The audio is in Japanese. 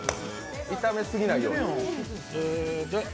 炒めすぎないように。